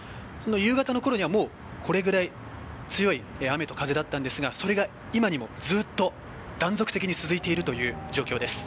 夕方の頃にはこれくらい強い雨と風だったんですがそれが今にもずっと断続的に続いているという状況です。